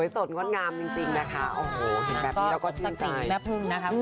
สักสิ่งแม่พึ่งนะคะ